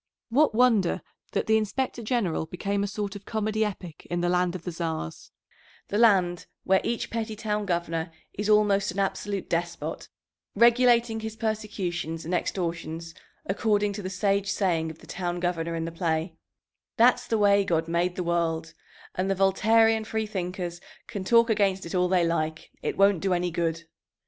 What wonder that the Inspector General became a sort of comedy epic in the land of the Czars, the land where each petty town governor is almost an absolute despot, regulating his persecutions and extortions according to the sage saying of the town governor in the play, "That's the way God made the world, and the Voltairean free thinkers can talk against it all they like, it won't do any good."